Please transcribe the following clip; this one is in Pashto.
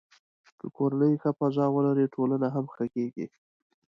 که کورنۍ ښه فضا ولري، ټولنه هم ښه کېږي.